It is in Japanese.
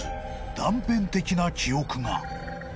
断片的な記憶が］